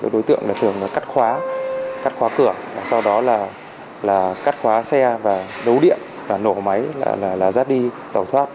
đối tượng thường cắt khóa cửa sau đó cắt khóa xe đấu điện nổ máy giác đi tàu thoát